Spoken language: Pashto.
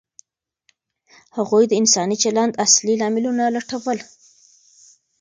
هغوی د انساني چلند اصلي لاملونه لټول.